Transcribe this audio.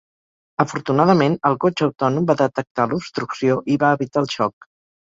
Afortunadament, el cotxe autònom va detectar l"obstrucció i va evitar el xoc.